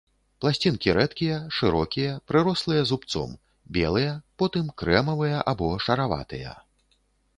Пласцінкі рэдкія, шырокія, прырослыя зубцом, белыя, потым крэмавыя або шараватыя.